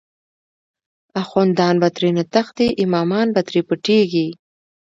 آخوندان به ترینه تښتی، امامان به تری پټیږی